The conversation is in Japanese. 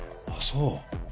ああそう。